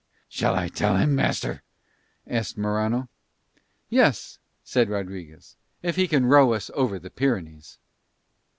"Shall I tell him, master?" asked Morano. "Yes," said Rodriguez, "if he can row us over the Pyrenees."